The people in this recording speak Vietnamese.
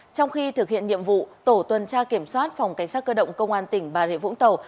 trong khi thực hiện nhiệm vụ tổ tuần tra kiểm soát phòng cảnh sát cơ động công an tỉnh bà rịa vũng tàu